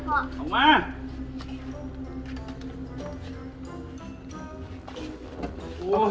ออกมา